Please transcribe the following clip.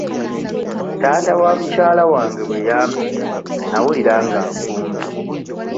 Taata wa mukyala wange bwe yampita nnawulira nga mpunze.